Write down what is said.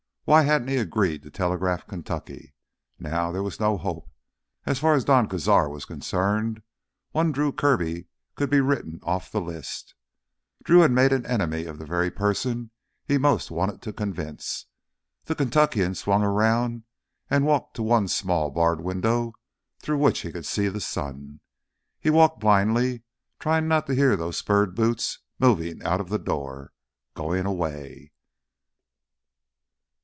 Why hadn't he agreed to telegraph Kentucky? Now there was no hope. As far as Don Cazar was concerned, one Drew Kirby could be written off the list. Drew had made an enemy of the very person he most wanted to convince. The Kentuckian swung around and walked to the one small, barred window through which he could see the sun. He walked blindly, trying not to hear those spurred boots moving out of the door ... going away....